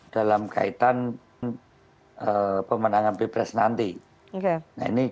dalam kaitan pemenangan pdi pres nanti saya akan tanya juga